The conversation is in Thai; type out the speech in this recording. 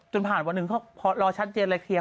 จนผ่านวันหนึ่งพอรอชัดเจนและเคลียร์